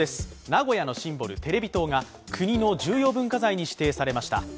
名古屋のシンボル、テレビ塔が国の重要文化財に指定されました。